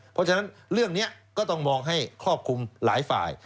เพราะฉะนั้นเรื่องนี้ก็ต้องมองให้ครอบคลุมหลายฝ่าย